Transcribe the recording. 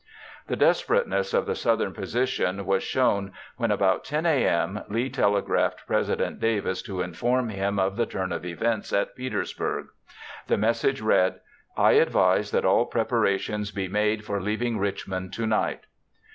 The desperateness of the Southern position was shown when, about 10 a.m., Lee telegraphed President Davis to inform him of the turn of events at Petersburg. The message read: "I advise that all preparations be made for leaving Richmond tonight."